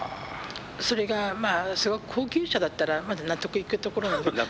それがすごく高級車だったらまだ納得いくところなんですけど。